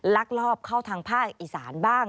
ลักลอบเข้าทางภาคอีสานบ้าง